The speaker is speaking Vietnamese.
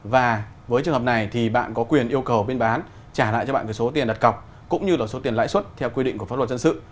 và với trường hợp này thì bạn có quyền yêu cầu bên bán trả lại cho bạn số tiền đặt cọc cũng như là số tiền lãi suất theo quy định của pháp luật dân sự